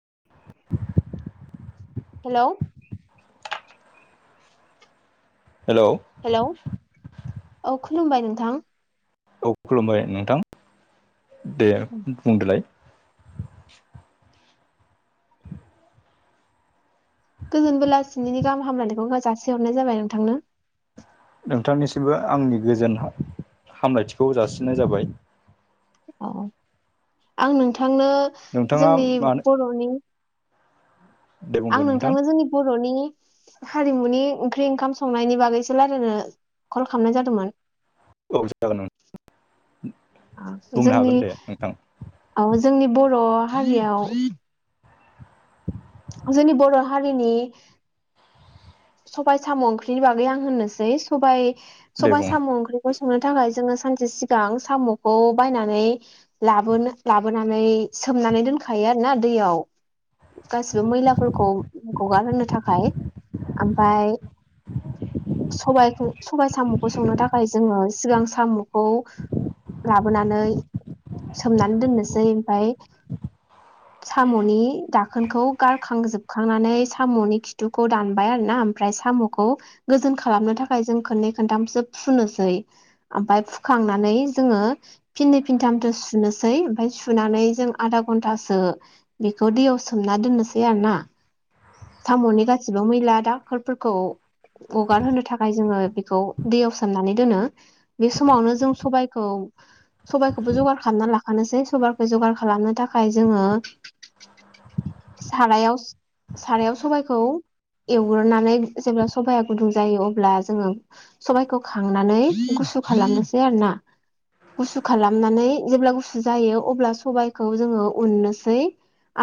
[inaudible] Hello hello hello औ खुलुमबाय नोंथां। औ खुलुमबाय नोंथां दे बुंदोलाय। [inaudible] गोजोन बेलासिनि गाहाम हामलायनायखौ जासि हरनाय जाबाय नोंथांनो। नोंथांनिसिमबो आंनि गोजोन हामलायथिखौ जासिनाय जाबाय। औ आं नोंथांनो नोंथाङा जोंनि मानो बर'नि दे बुंदो आं नोंथां नोंथांनो जोंनि ब'र'नि हारिमुनि ओंख्रि ओंखाम संनायनि बागैसो रायलायनो कल खालामनाय जादोंमोन। औ जागोन उम। जोंनि नोंथां औ जोंनि बर' हारियाव जोंनि बर' हारिनि सबाय साम' ओंख्रिनि बागै आं होननोसै सबाइ दे सबाइ बुं साम' ओंख्रिखौ संनो थाखाय जोङो सानसे सिगां साम'खौ बायनानै लाबोनो लाबोनानै सोमनानै दोनखायो आरोना दैयाव गासिबो मैलाफोरखौ हगारहोनो थाखाय ओमफाय सबायखौ सबाय साम'खौ संनो थाखाय जोङो सिगां साम'खौ लाबोनानै सोमनानै दोननोसै ओमफ्राय साम'नि दाखोनखौ गारखांजोबखांनानै साम'नि खिथुखौ दान बायआरोना ओफ्राइ सामुखौ गोजों खालामनो थाखाय जों खोननै खोनथामसो फुनोसै ओमफ्राय फुखांनानै जोङो फिननै फिनथामथो सुनोसै ओमफ्राय सुनानै जों आधा घन्टा घ सो बेखौ दैआव सोमना दोननोसै आरोना सामुनि गासि ' मैला ड'क्टरफोरखौ हगारहोनो थाखाय जोङो बेखौ दैयाव सोमनानै दोनो बे समावनो जों सबबायखौ सबायखौबो जगार खालामना लाखानोसै सबायाइखौ जगार खालामनो थाखाय जोङो सारायाव सारायाव सबाइखौ एवग्रोनानै जेब्ला सबाया गुदुं जायो अब्ला जोङो सबाइखौ खांनानै गुसु खालामनोसै आरो ना गुसु खालामनानै जेब्ला गुसु जायो अब्ला सबायखौ जोङो उननोसै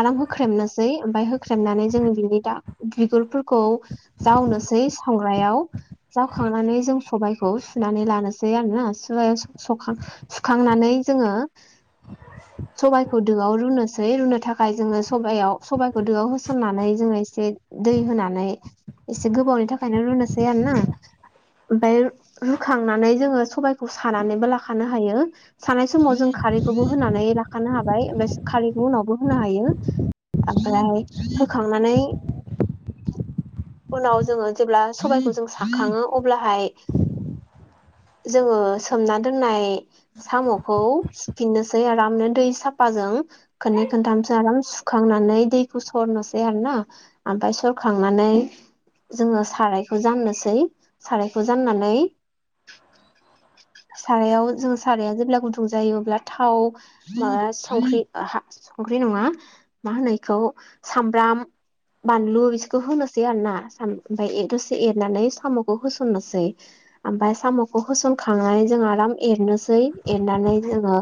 आराम होख्रेमनोसै ओमफ्राय होख्रेमनानै जोंङो बिनि दा बिगुरफोरखौ जावनोसै संग्रायाव जावखांनानै जों सबबायखौ सुनानै लानोसै आरोना सुखांनानै जोङो सबाइखौ दोआव रुनोसै रुनो थाखाय जोङो सबयाव सबाइखौ दोआव होसननानै जोङो एसे दै होनानै एसे गोबावनि थाखायनो रुनोसै आरो ना ओमफ्राय रुखांनानै जोङो सबायखौ सानानैबो लाखानो हायो सानाय समाव जों खारैखौबो होनानै लाखानो हाबाय ओमफ्राय खारैखौ उनावबो होनो हायो ओमफ्राय होखांनानै उनाव जोङो जेब्ला सबायखौ जों साखाङो अब्लाहाय जोङो सोमना दोननाय साम'खौ सुफिननोसै आरामनो दै साफाजों खोननै खोन्थामसो आराम सुखांनानै दैखौ सरनोसै आरो ना ओमफ्राय सरखांनानै जोङो सारायखौ जाननोसै सारायखौ जाननानै [unintelligible] सारायाव जों साराया जेब्ला गुदुं जायो अब्ला थाव माबा संख्रि हा संख्रि बेनङा मा होनो बेखौ सामब्राम बानलु बिसोरखौ होनोसै आरो ना ओमफ्राय एर द'से एरनानै साम'खौ होसननोसै ओमफ्राय साम'खौ होसनखांनानै जोङो आराम एरनोसै एरनानै जोङो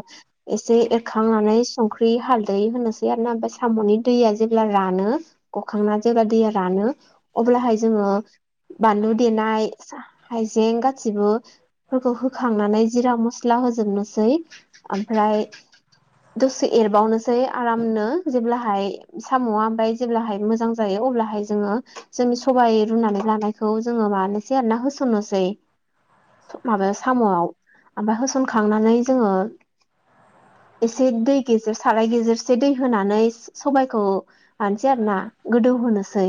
एसे खांनानै संख्रि हालदै होनोसै आरो ना ओमफाय साम'नि दैया जेब्ला रानो होखांना जेब्ला दैया रानो अब्लाहाय जोङो बानलु देनाय हाइजें गासिबो फोरखौ होखांनानै जिरा मस्ला होजोबनोसै ओमफ्राय दसे एरबावनोसै आरामनो जेब्लाहाय साम'आ ओमफ्राय जेब्लाहाय मो मोजां जायो अब्लाहाय जोङो जोंनि सबाय रुनानै लानायखौ जोङो माबानोसै आरोना होसननोसै माबायाव साम'आव ओमफ्राय होसनखांनानै जोङो एसे दै गेजेर साराय गेजेरसे दै होनानै सबायखौ मानोसै आरो ना गोदौ होनोसै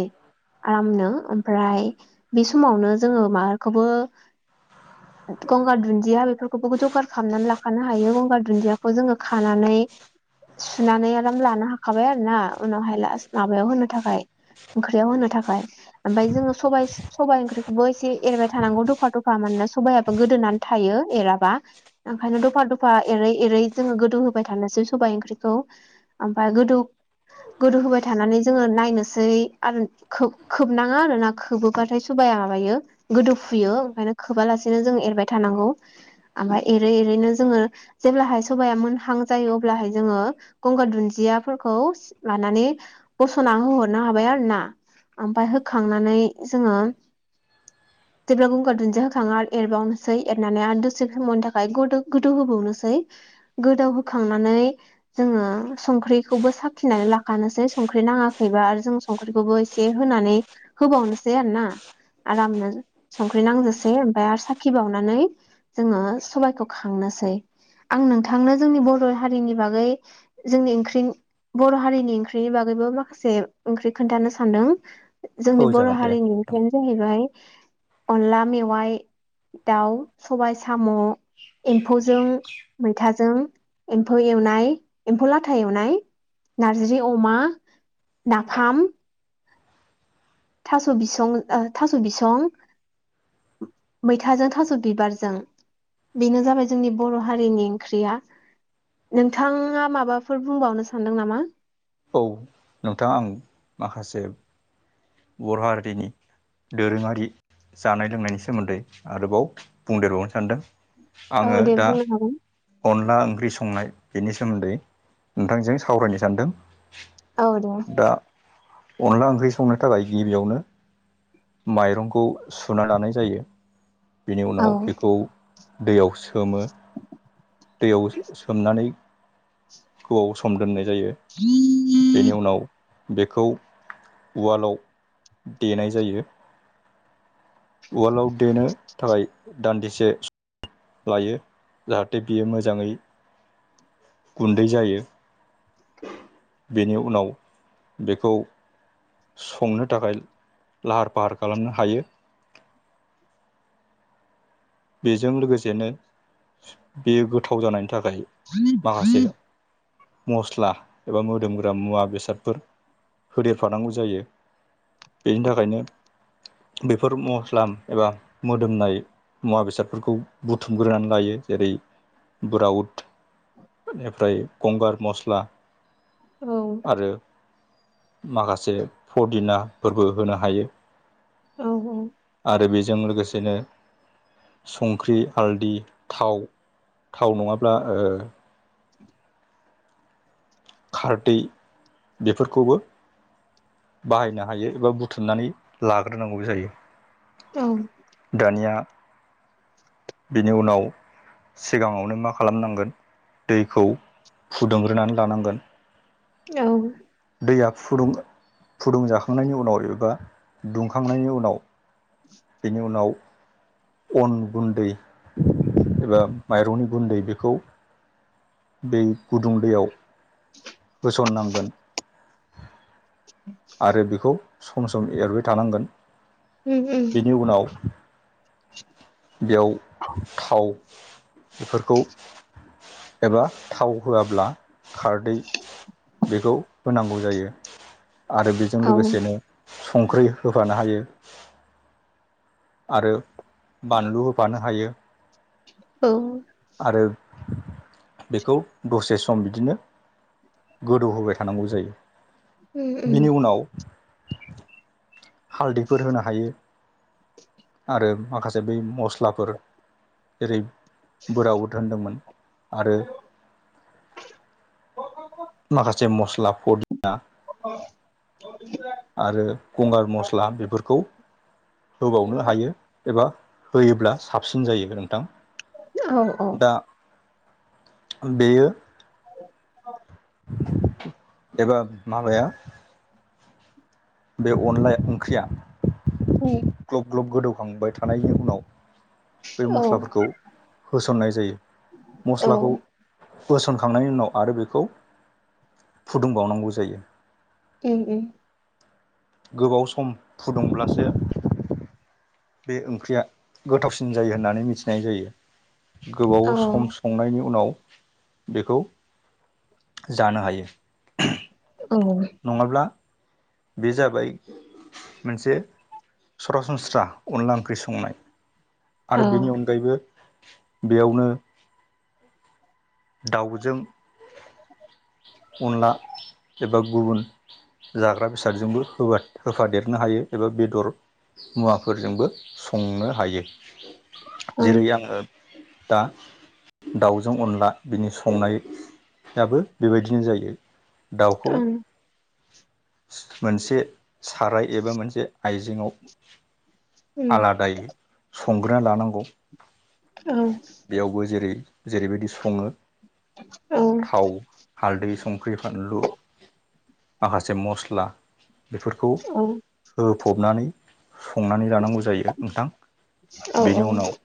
आरामनो ओमफ्राय बे समावनो जोङो माबाखौबो गंगार दुन्दिया बेफोरखौबो जगार खालामनानै लाखानो हायो गंगार दुन्दियाखौ जोङो खानानै सुनानै आराम लानो हाखाबाय आरो ना उनावहाय लास माबायाव होनो थाखाय ओंख्रियाव होनो थाखाय ओमफ्राय जोङो सबाइ सबाइ ओंख्रिखौबो एसे एरबाय थानांगौ दफा दफा माने सबायाबो गोदोनानै थायो एराबा ओंखायनो दफा दफा एरै एरै जोङो गोदौ होबाय थानो लासो सबाइ ओंख्रिखौ ओमफ्राय गोदौ गोदौ होबाय थानानै जोङो नायनोसै आरो खोब खोबनाङा आरोना खोबोबाथाय सबाया माबायो गोदौ फुयो ओंखायनो खोबालासेनो जों एरबाय थानांगौ ओमफ्राय एरै एरैनो जोङो जेब्लाहाय सबाया मोनहां जायो अब्लाहाय जोङो गंगार दुन्दियाफोरखौ लानानै बस'ना होहरनो हाबाय आरो ना ओमफाय होखांनानै जोङो [inaudible] जेब्ला गंगार दुन्दिया होखाङो आरो एरबावनोसै एरनानै आरो दसे समावनि थाखाय गोदौ गोदौ होबावनोसै गोदाव होखांनानै जोङो संख्रिखौबो साखिनानै लाखानोसै संख्रि नाङाखैबा आरो जों संख्रिखौबो एसे होनानै होबावनोसै आरोना आरामनो संख्रि नांजासे ओमफ्राय आरो साखि बावनानै जोङो सबायखौ खां नासै आं नोंथांनो जोंनि बर' हारिनि बागै जोंनि ओंख्रिनि बर' हारिनि ओंख्रि ओंख्रिनि बागैबो माखासे ओंख्रि खोन्थानो सानदों जोंनि औ बर' जागोन दे हारिनि नोंथां ओंख्रियानो जाहैबाय अनला मेवाइ दाउ सबाइ साम' एम्फौजों मैथाजों एम्फौ एवनाय एम्फौ लाथा एवनाय नारजि अमा नाफाम थास' बिसं ओ थास' बिसं मैथाजों थास' बिबारजों बेनो जाबाय जोंनि बर' हारिनि ओंख्रिया नोंथाङा माबाफोर बुंबावनो सानदों नामा? औ नोंथाङा आं माखासे बर' हारिनि दोरोङारि जानाय लोंनायनि सोमोन्दै आरोबाव बुंदेरबावनो सानदों। औ आङो दे दा बुंनो हागोन अनला ओंख्रि संनाय बेनि सोमोन्दै नोंथांजों सावरायनो सानदों। औ दे अनदला ओंख्रि संनो थाखाय गिबियावनो माइरंखौ सुना लानाय जायो। बेनि औ उनाव बेखौ दैयाव सो सोमो दैयाव सोमनानै गोबाआव सम दोननाय जायो बेनि उनाव बेखौ उवालाव देनाय जायो। उवालआव देनो थाखाय दान्दिसे स लायो जाहाथे बियो मोजाङै गुन्दै जायो बेनि उनाव बेखौ संनो थाखाय लाहार फाहार खालामनो हायो। बेजों लोगोसेनो बेयो गोथाव जानाय नि थाखाय माखासे मस्ला एबा मोदोमग्रा मुवा बेसादफोर होदेरफानांगौ जायो। बेनि थाखायनो बेफोर मस्ला एबा मोदोमनाय मुवा बेसादफोरखौ बुथुमग्रोनानै लायो जेरै बुराउद एनिफ्राय गंगार मस्ला औ आरो माखासे फदिनाफोरबो होनो हायो औ औ जों लोगोसेनो संख्रि हालदि थाव थाव नङाब्ला ओ खारदै बेफोरखौबो बाहायनो हायो एबा बुथुमनानै लाग्रोनांगौबो जायो। औ दानिया बेनि उनाव सिगाङावनो मा खालामनांगोन दैखौ फुदुंग्रोनानै लानांगोन। औ। दैया फुदुं-फुदुं जाखांनायनि उनाव एबा दुंखांनायनि उनाव। बेनि उनाव। अन गुन्दै एबा माइरंनि गुन्दै बेखौ। बे गुदुं दैयाव होसननांगोन। आरो बेखौ सम सम एरबाय थानांगोन। उम उम बेनि उनाव। बेयाव थाव बेफोरखौ। एबा थाव होआब्ला खारदै। बेखौ होनांगौ जायो। आरो बेजों औ लोगोसेनो संख्रि होफानो हायो। आरो बानलु होफानो हायो। औ। आरो बेखौ दसे सम बिदिनो। गोदौहोबाय थानांगौ जायो उम उम बिनि उनाव हालदैफोर होनो हायो आरो माखासे बै मस्लाफोर। जेरै- बुराउद होनदोंमोन आरो माखासे मस्ला पदिना। [unintelligible] आरो गंगार मस्ला बेफोरखौ होबावनो हायो एबा। होयोब्ला साबसिन जायो नोंथां। औ-औ। दा बेयो। एबा माबाया बे अनला ओंख्रिया उम ग्लब-ग्लब गोदौ संबाय थानायनि उनाव बे औ मस्लाफोरखौ होसननाय जायो। औ मस्लाखौ। उम होसनखांनायनि उनाव आरो बेखौ फुदुंबावनांगौ जायो। उम-उम। गोबाव सम फुदुंब्लासो। बे ओंख्रिया गोथावसिन जायो होननानै मिथिनाय जायो। गोबाव औ सम संनायनि उनाव। बेखौ जानो हायो। औ नङाब्ला बे जाबाय मोनसे सरासनस्रा अनला ओंख्रि संनाय। आरो औ बेनि अनगायैबो बेयावनो। दाउजों अनला एबा गुबुन जाग्रा बेसादजोंबो होबाय होफादेरनो हायो एबा बेदर। मुवाफोरजोंबो संनो हायो ओं जेरै- आङो दा दाउजों अनला बिनि संनायाबो बेबायदिनो जायो। दाउखौ ओं मोनसे। साराय एबा मोनसे आइजेेंआव उम आलादायै स संग्रोना लानांगौ। औ बेयावबो जेरै-जेरैबायदि सङो औ थाव हालदै सं संख्रि फानलु माखासे मस्ला बेफोरखौ होफबनानै। संनानै जानांगौ जायो नोंथां औ बेनि उम उनाव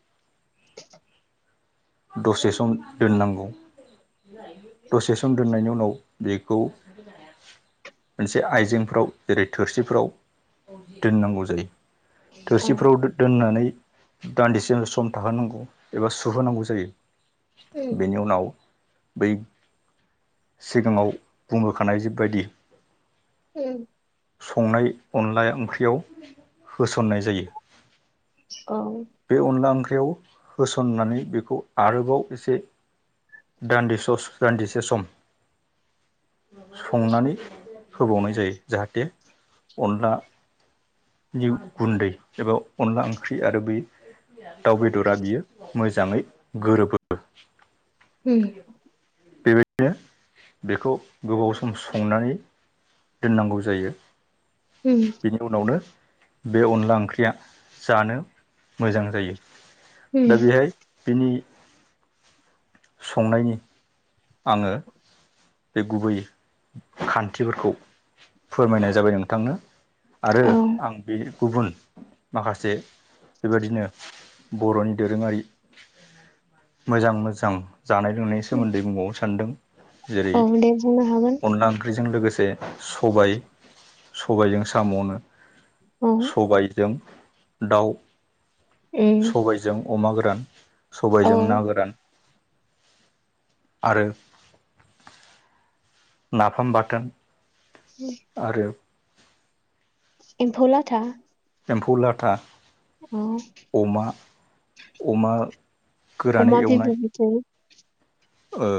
दसे सम दोननांगौ दसे सम दोननायनि उनाव बेखौ। मोनसे आइजेंफोराव जेरै थोरसिफोराव दोननांगौ जायो। थोरसिफ्राव दोननानै दान्दिसे सम थाहोनांगौ एबा सुहोनांगौ जायो जै बेनि उनाव बै सिगाङाव बुंबोखानाय जेबायदि ओ संनाय अनला ओंख्रियाव होसन्नाय जायो। औ बे अनला ओंख्रियाव होसननानै बेखौ आरोबाव एसे दान्दिस दान्दिसे सम संनानै होबावनाय जायो जाहाथे अनला निउ गुन्दै एबा अनला ओंख्रि आरो बे दाउ बेदरा बियो मोजाङै गोरोबो। ओम बेबायदिनो बेखौ गोबाव सम संनानै दोननांगौ जायो। उम बेनि उनावनो बे अनला ओंख्रिया जानो मोजां जायो उम दा बेहाय बिनि संनायनि आङो बे गुबै खान्थिफोरखौ फोरमायनाय जाबाय नोंथांनो। आरो औ आं बे गुबुन माखासे बेबायदिनो बर'नि दोरोङारि मोजां मोजां जानाय लोंनायनि सोमोन्दै बुंबावो सानदों जेरै औ दे बुंनो हागोन अनला ओंख्रिजों लोगोसे स सबाय सबायजों साम'नो औ उम सबायजों दाउ सबायजों अमा गोरान औ सबायजों ना गोरान आरो नाफाम बाथोन आरो एम्फौ लाथा एम्फौ लाथा औ अमा अमा गोरानै अमा एवनाय बिबु बिथै ओ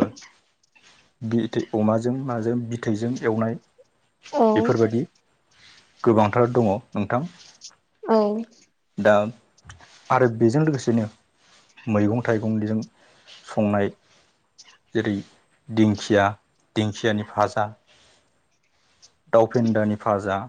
अमाजों माजों बिथैजों एवनाय औ बेफोरबायदि गोबांथार दङ नोंथां औ दा आरो बेजों लोगोसेनो मैगं थाइगंजों संनाय जेरै दिंखिया दिंखियानि फाजा [inaudible] दावफेन्दानि फाजा